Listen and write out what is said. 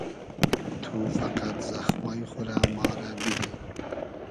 تو فئقئد زئخمای خو رۂ ما رۂ بیدی